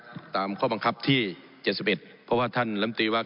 ผมอภิปรายเรื่องการขยายสมภาษณ์รถไฟฟ้าสายสีเขียวนะครับ